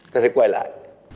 các thầy quay lại